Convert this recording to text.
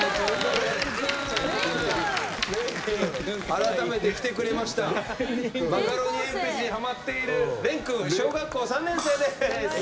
改めて来てくれましたマカロニえんぴつにハマっているれんくん小学校３年生です。